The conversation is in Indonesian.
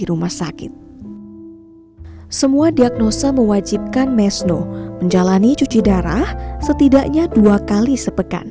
rumah sakit semua diagnosa mewajibkan mesno menjalani cuci darah setidaknya dua kali sepekan